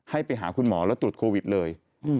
ไปหาคุณหมอแล้วตรวจโควิดเลย